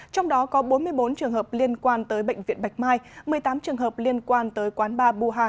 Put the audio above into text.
trong đó có bốn mươi bốn trường hợp liên quan tới bệnh viện bạch mai một mươi tám trường hợp liên quan tới quán ba buha